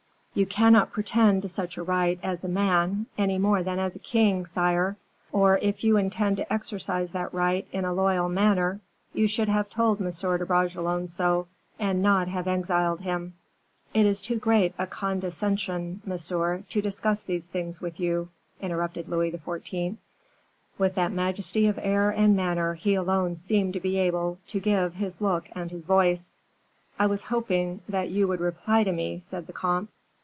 "You cannot pretend to such a right as a man any more than as a king, sire; or if you intend to exercise that right in a loyal manner, you should have told M. de Bragelonne so, and not have exiled him." "It is too great a condescension, monsieur, to discuss these things with you," interrupted Louis XIV., with that majesty of air and manner he alone seemed able to give his look and his voice. "I was hoping that you would reply to me," said the comte.